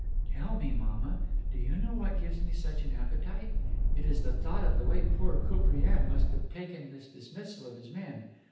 "Tell me, mamma, do you know what gives me such an appetite? It is the thought of the way poor Koupriane must have taken this dismissal of his men.